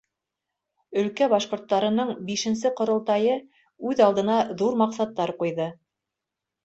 Өлкә башҡорттарының бишенсе ҡоролтайы үҙ алдына ҙур маҡсаттар ҡуйҙы.